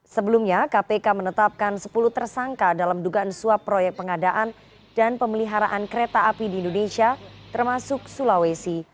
sebelumnya kpk menetapkan sepuluh tersangka dalam dugaan suap proyek pengadaan dan pemeliharaan kereta api di indonesia termasuk sulawesi